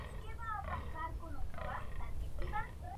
Tras derrotar a Pilar Vóley y a La Unión de Formosa se proclamó campeón.